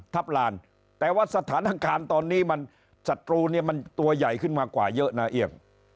ลานแต่ว่าสถานการณ์ตอนนี้มันศัตรูเนี่ยมันตัวใหญ่ขึ้นมากว่าเยอะนะเอี่ยง